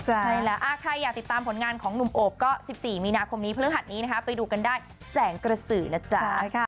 ใช่แล้วใครอยากติดตามผลงานของหนุ่มโอบก็๑๔มีนาคมนี้พฤหัสนี้นะคะไปดูกันได้แสงกระสือนะจ๊ะ